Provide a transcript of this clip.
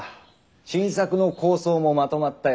新作の構想もまとまったよ。